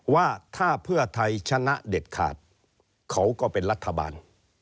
ว่าถ้าเพื่อไทยชนะเด็ดขาดเขาก็เป็นรัฐบาล